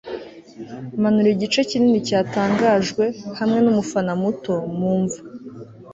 manura igice kinini cyatangajwe, hamwe numufana muto, mumva